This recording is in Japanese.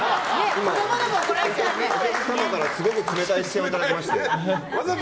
それで、すごく冷たい視線をいただきまして。